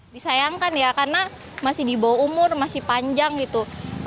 disayangkan ya karena masih di bawah umur masih panjang gitu